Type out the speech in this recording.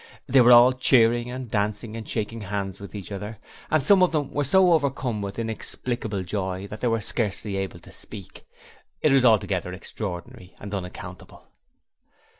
They were all cheering and dancing and shaking hands with each other, and some of them were so overcome with inexplicable joy that they were scarcely able to speak. It was altogether extraordinary and unaccountable.